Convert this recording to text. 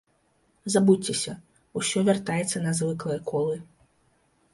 Забудзьцеся, усё вяртаецца на звыклыя колы.